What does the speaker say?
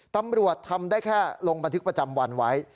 ตำรวจทำได้แค่ลงบันทึกประจำวันไว้